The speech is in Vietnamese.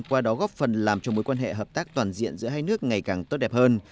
qua đó góp phần làm cho mối quan hệ hợp tác toàn diện giữa hai nước ngày càng tốt đẹp hơn